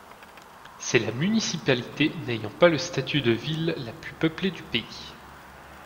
C'est la municipalité n'ayant pas le statut de ville la plus peuplée du pays.